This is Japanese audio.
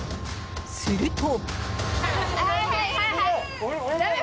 すると。